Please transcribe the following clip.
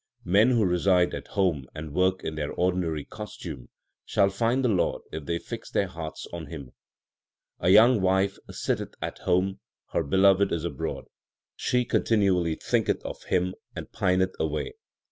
Men who reside at home and work in their ordinary costume shall find the Lord if they fix their hearts on Him ; l A young wife sitteth at home, her Beloved is abroad; she continually thinketh of Him and pineth away.